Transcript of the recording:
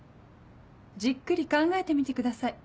じっくり考えてみてください